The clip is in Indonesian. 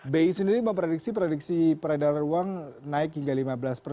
bei sendiri memprediksi peradaan uang naik hingga lima persen